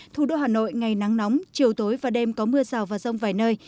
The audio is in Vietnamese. thủ đô hà nội ngày nắng nóng chiều tối và đêm có mưa rào và rông vài nơi